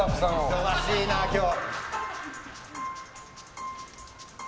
忙しいな、今日。